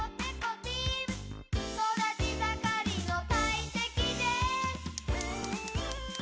「そだちさがりのたいてきです！」